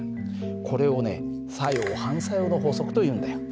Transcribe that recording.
これをね作用・反作用の法則というんだよ。